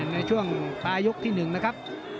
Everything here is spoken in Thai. ในช่วงปลายกที่๑นะครับ